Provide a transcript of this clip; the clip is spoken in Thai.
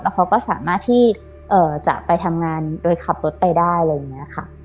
เขาก็สามารถที่จะไปทำงานโดยขับรถไปได้อะไรอย่างนี้ค่ะ